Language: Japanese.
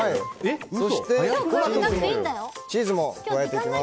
そしてチーズも加えていきます。